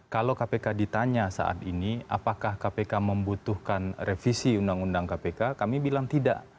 kalau kpk ditanya saat ini apakah kpk membutuhkan revisi undang undang kpk kami bilang tidak